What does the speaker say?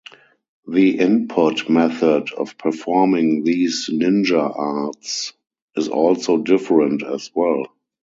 The input method of performing these ninja arts is also different as well.